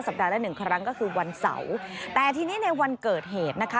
ปัดละหนึ่งครั้งก็คือวันเสาร์แต่ทีนี้ในวันเกิดเหตุนะคะ